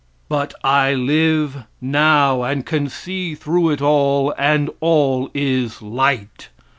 But I live now and can see through it all, and all is light.